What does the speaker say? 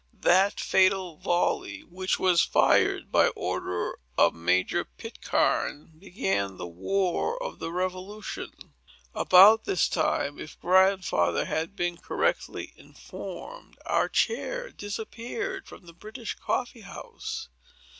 That fatal volley, which was fired by order of Major Pitcairn, began the war of the Revolution." About this time, if Grandfather had been correctly informed, our chair disappeared from the British Coffee House.